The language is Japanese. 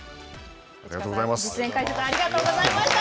実演解説、ありがとうございました。